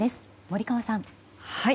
森川さん。